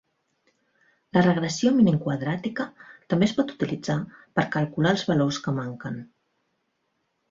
La regressió mínim-quadràtica també es pot utilitzar per calcular els valors que manquen.